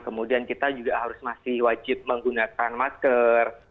kemudian kita juga harus masih wajib menggunakan masker